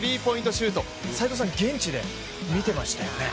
シュート斎藤さん、現地で見てましたよね。